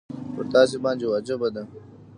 پر تاسي باندي واجبه ده.